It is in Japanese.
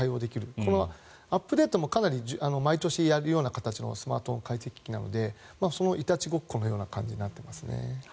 かなりアップデートも毎年やるような形のスマートフォン解析機なのでそのいたちごっこのような感じになってますね。